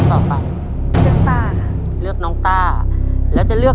ตัวเลือดที่๓ม้าลายกับนกแก้วมาคอ